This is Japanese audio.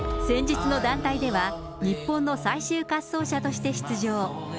先日の団体では、日本の最終滑走者として出場。